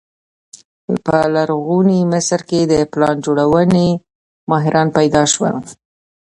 په لرغوني مصر کې د پلان جوړونې ماهران پیدا شول.